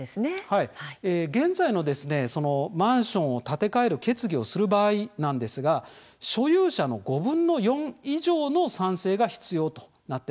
現在のマンションを建て替える決議をする場合所有者の５分の４以上の賛成が必要です。